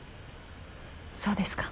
そうですか。